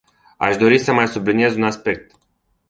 Aș dori să mai subliniez un aspect.